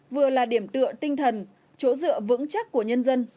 vừa là điểm tựa tinh thần chỗ dựa vững chắc của nhân dân